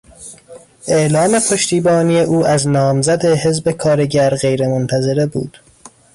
اعلام پشتیبانی او از نامزد حزب کارگر غیر منتظره بود.